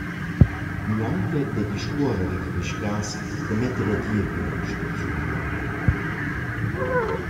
Gnanca da discuorrer in quist cas da metter ad ir üna staziun nouva.